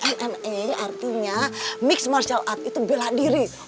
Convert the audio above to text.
mme artinya mixed martial arts itu bela diri